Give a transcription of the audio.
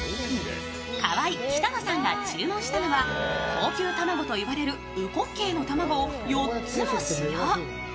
河井、北乃さんが注文したのは高級卵といわれる烏骨鶏の卵を４つも仕様。